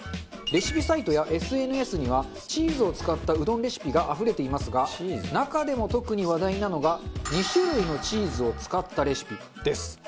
レシピサイトやＳＮＳにはチーズを使ったうどんレシピがあふれていますが中でも、特に話題なのが２種類のチーズを使ったレシピです。